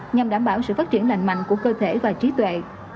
nhằm đảm bảo sự phát triển lành mạnh của cơ thể và trí tuệ